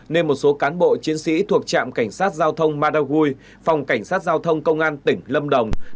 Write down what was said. nên một số cán bộ chiến sĩ thuộc trạm cảnh sát giao thông madagui phòng cảnh sát giao thông công an tỉnh lâm đồng